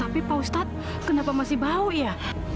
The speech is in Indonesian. tapi pak ustadz kenapa masih bau ya